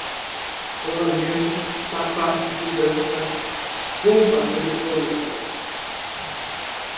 rolamento, sapatos de dança, bomba eletrônica